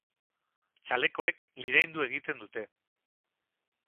Txalekoek liraindu egiten dute.